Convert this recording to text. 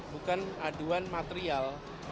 bukan aduan material